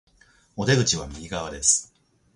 お出口は右側です